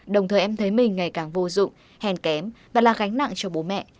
đồng thời em thấy mình ngày càng vô dụng hèn kém và là gánh nặng cho bố mẹ